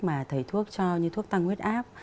mà thầy thuốc cho như thuốc tăng huyết áp